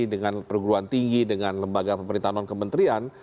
dengan perguruan tinggi dengan lembaga pemerintahan non kementerian